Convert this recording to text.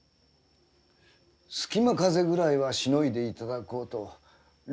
隙間風ぐらいはしのいで頂こうと了